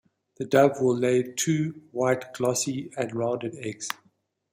The dove will lay two, white, glossy and rounded eggs.